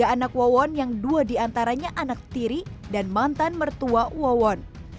tiga anak wawon yang dua diantaranya anak tiri dan mantan mertua wawon